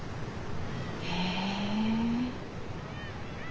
へえ。